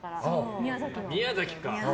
宮崎か！